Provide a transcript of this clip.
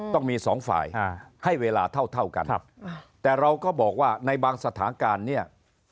ต้องมีสองฝ่ายให้เวลาเท่าเท่ากันแต่เราก็บอกว่าในบางสถานการณ์เนี่ย